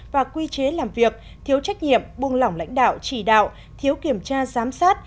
và quy chế làm việc thiếu trách nhiệm buông lỏng lãnh đạo chỉ đạo thiếu kiểm tra giám sát